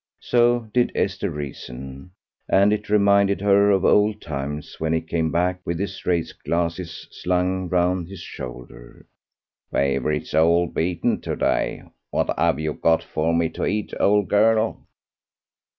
So did Esther reason, and it reminded her of old times when he came back with his race glasses slung round his shoulder. "Favourites all beaten today; what have you got for me to eat, old girl?"